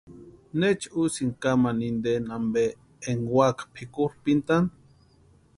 ¿Necha úsïni kamani inteni ampe enka úaka pʼikurhpintani?